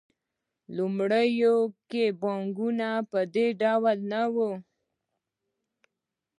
په لومړیو کې بانکونه په دې ډول نه وو